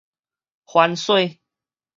番黍